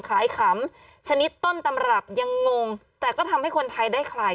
ขำชนิดต้นตำรับยังงงแต่ก็ทำให้คนไทยได้คลาย